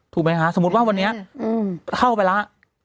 ถูกไหมคะสมมุติว่าวันนี้เข้าไปแล้ว